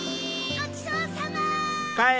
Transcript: ごちそうさま！